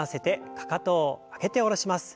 かかとを上げて下ろします。